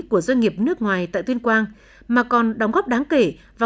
của doanh nghiệp nước ngoài